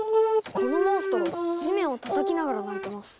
このモンストロ地面をたたきながら鳴いてます。